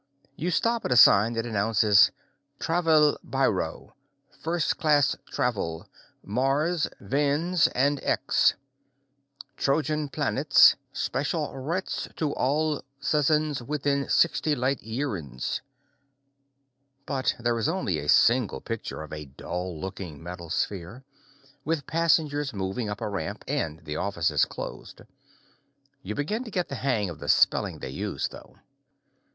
You stop at a sign that announces: Trav:l Biwrou F:rst Clas Twrz Marz, Viin*s, and x: Trouj:n Planets. Spej:l reits tu aol s*nz wixin 60 lyt iirz! But there is only a single picture of a dull looking metal sphere, with passengers moving up a ramp, and the office is closed. You begin to get the hang of the spelling they use, though.